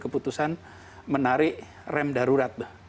keputusan menarik rem darurat